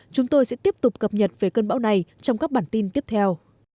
chúng tôi sẽ tiếp tục cập nhật về cơn bão này trong các bản tin tiếp theo